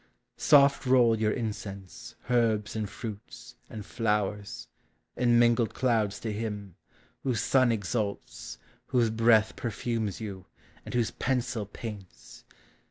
Soft roll vour incense, herbs, and fruits, and flowers, In mingled clouds to him, — whose Sun exalts, Whose breath perfumes you, and whose pencil paints.